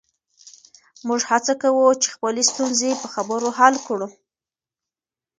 موږ هڅه کوو چې خپلې ستونزې په خبرو حل کړو.